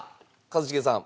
一茂さん。